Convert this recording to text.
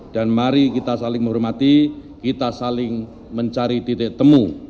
dan mari kita saling menghormati kita saling mencari titik temu